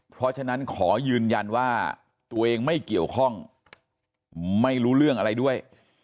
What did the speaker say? เพราะฉะนั้นขอยืนยันว่าตัวเองไม่เกี่ยวข้องไม่รู้เรื่องอะไรด้วย